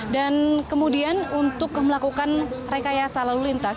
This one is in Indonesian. kemudian untuk melakukan rekayasa lalu lintas